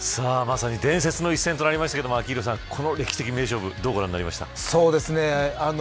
まさに伝説の一戦となりましたけれども、昭浩さんこの歴史的名勝負どうご覧になりましたか。